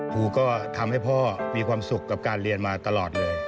ครูก็ทำให้พ่อมีความสุขกับการเรียนมาตลอดเลย